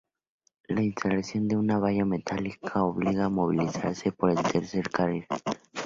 La instalación de una valla metálica obliga movilizarse por el tercer carril.